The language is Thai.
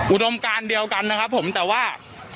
อุดมการเดียวกันนะครับผมแต่ว่า